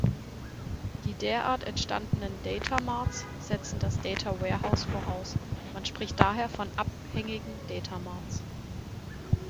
Die derart entstandenen Data-Marts setzen das Data-Warehouse voraus, man spricht daher von abhängigen Data-Marts.